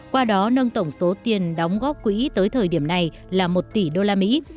qua đó nâng tổng số tiền đóng góp quỹ tới thời điểm này là một tỷ usd